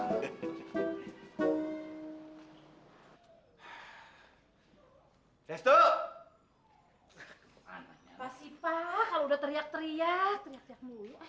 makasih pak kalau udah teriak teriak